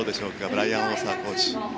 ブライアン・オーサーコーチ。